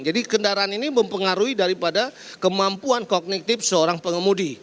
jadi kendaraan ini mempengaruhi daripada kemampuan kognitif seorang pengemudi